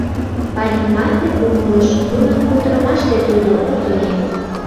Парикмахер умылыш: нунын кутырымаште тудо — уто еҥ.